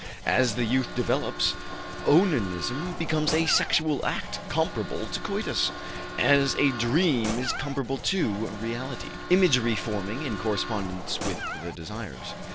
"As the youth develops, onanism becomes a sexual act comparable to coitus as a dream is comparable to reality, imagery forming in correspondence with the desires.